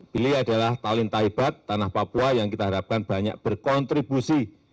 billy adalah tawin taibat tanah papua yang kita harapkan banyak berkontribusi